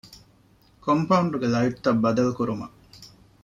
ކޮމްޕައުންޑްގެ ލައިޓްތައް ބަދަލުކުރުމަށް